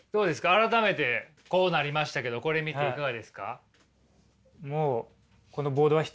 改めてこうなりましたけどこれ見ていかがですか？